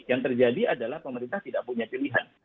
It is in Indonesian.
yang terjadi adalah pemerintah tidak punya pilihan